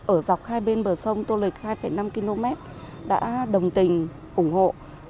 ở dọc hai bên bờ sông tô lịch hai năm km đã đồng tình ủng hộ